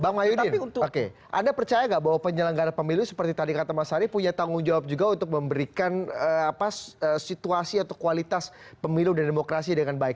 bang mayu tapi anda percaya nggak bahwa penyelenggara pemilu seperti tadi kata mas ari punya tanggung jawab juga untuk memberikan situasi atau kualitas pemilu dan demokrasi dengan baik